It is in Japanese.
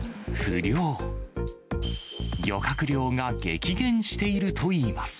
漁獲量が激減しているといいます。